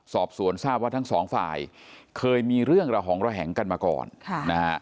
สอบสวนทราบว่าทั้งสองฝ่ายเคยมีเรื่องระหองระแหงกันมาก่อนนะฮะ